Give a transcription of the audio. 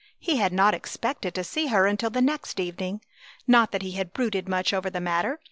He had not expected to see her until the next evening. Not that he had brooded much over the matter.